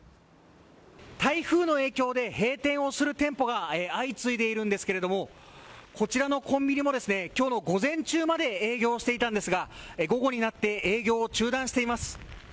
台風の影響で閉店をする店舗が相次いでいるんですけど、こちらのコンビニも今日の午前中まで営業していたんですが、午後になって営業を中断しています。